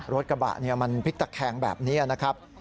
รถกระบะมันพลิกตะแคงแบบนี้นะครับ